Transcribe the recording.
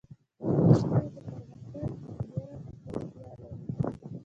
وردگ ولايت د پرمختگ ډېره شونتيا لري،